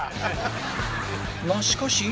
がしかし